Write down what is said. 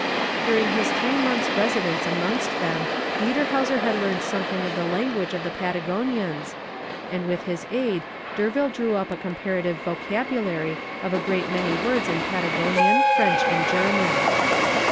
During his three months' residence amongst them, Niederhauser had learnt something of the language of the Patagonians, and with his aid D'Urville drew up a comparative vocabulary of a great many words in Patagonian, French, and German.